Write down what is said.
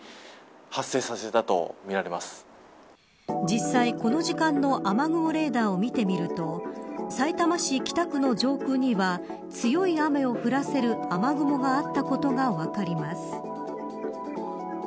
実際、この時間の雨雲レーダーを見てみるとさいたま市北区の上空には強い雨を降らせる雨雲があったことが分かります。